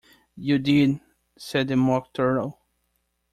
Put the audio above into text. ‘You did,’ said the Mock Turtle.